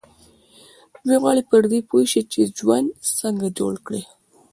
دوی غواړي پر دې پوه شي چې ژوند څنګه جوړ کړي.